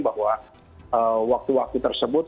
bahwa waktu waktu tersebut